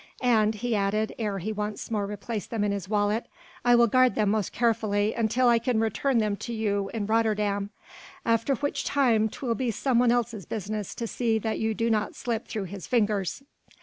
"And," he added ere he once more replaced them in his wallet, "I will guard them most carefully until I can return them to you in Rotterdam, after which time 'twill be some one else's business to see that you do not slip through his fingers."